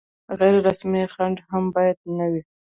غیر رسمي خنډ هم باید نه وي.